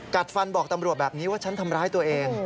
กัดฟันบอกตำรวจแบบนี้ว่าฉันทำร้ายตัวเอง